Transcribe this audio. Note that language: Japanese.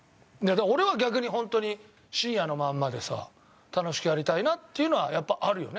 俺は逆にホントに深夜のまんまでさ楽しくやりたいなっていうのはやっぱあるよね。